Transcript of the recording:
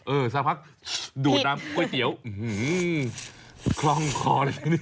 สักพักดูดน้ำก๋วยเตี๋ยวคล่องคอเลยนะนี่